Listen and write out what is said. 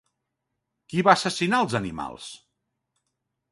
Qui va assassinar els animals?